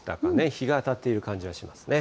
日が当たっている感じがしますね。